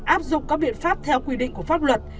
áp dụng các biện pháp theo quy định của pháp luật